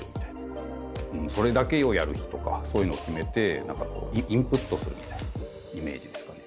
それだけをやる日とかそういうのを決めて何かこうインプットするみたいなイメージですかね。